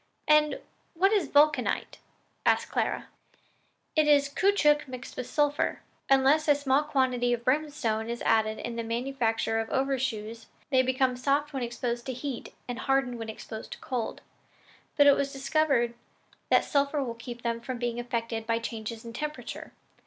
"And what is vulcanite?" asked Clara. "It is caoutchouc mixed with sulphur. Unless a small quantity of brimstone is added in the manufacture of overshoes, they become soft when exposed to heat and hardened when exposed to cold; but it was discovered that the sulphur will keep them from being affected by changes in temperature.